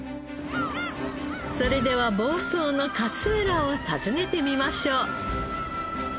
それでは房総の勝浦を訪ねてみましょう。